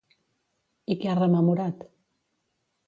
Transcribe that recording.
I què ha rememorat?